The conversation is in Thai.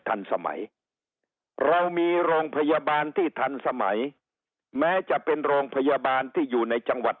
ทันสมัยเรามีโรงพยาบาลที่ทันสมัยแม้จะเป็นโรงพยาบาลที่อยู่ในจังหวัด